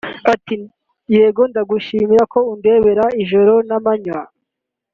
Ati “Yego dawe ndagushimira ko undegera ijoro n’amanywa